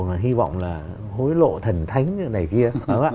mà hy vọng là hối lộ thần thánh này kia